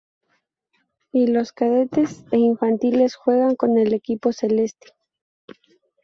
Y los cadetes e infantiles juegan con el equipo celeste.